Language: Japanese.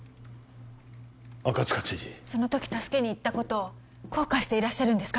赤塚知事そのとき助けに行ったことを後悔していらっしゃるんですか？